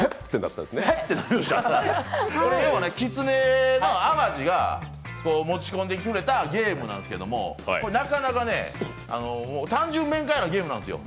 これ、きつねの淡路が持ち込んでくれたゲームなんですけどなかなかね、単純明快なゲームなんですよ。